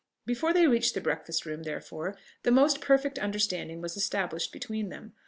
Before they reached the breakfast room, therefore, the most perfect understanding was established between them.